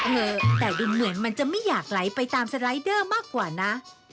เออแต่ดูเหมือนมันจะไม่อยากไหลไปตามสไลเดอร์มากกว่านะ